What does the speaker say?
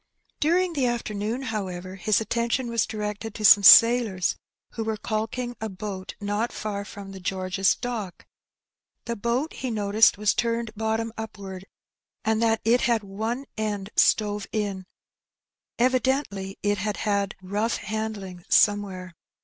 During the afternoon, however, his attention was directed to some sailors who were caulking a boat not far from the George's Dock. The boat he noticed was turned bottom upward, and that it had one end stove in; evidently it had had rough handling somewhere.